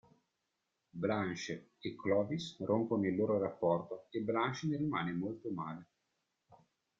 Blanche e Clovis rompono il loro rapporto e Blanche ne rimane molto male.